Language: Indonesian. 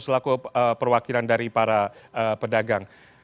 selaku perwakilan dari para pedagang